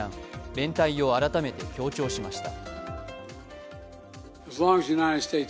連帯を改めて強調しました。